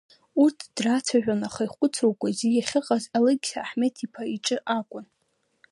Урҭ драцәажәон, аха ихәыцрақәа зегьы, ахьыҟаз Алықьса Аҳмеҭ-иԥа иҿы акәын.